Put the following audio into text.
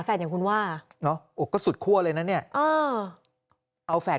อย่างคุณว่าเนอะโอ้ก็สุดคั่วเลยนะเนี่ยเออเอาแฝด